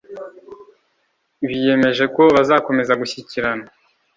Biyemeje ko bazakomeza gushyikirana